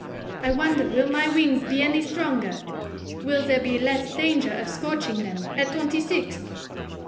I wonder will my wings be any stronger, will there be less danger of scorching them at twenty six?